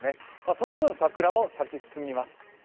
その分、桜も咲き進みます。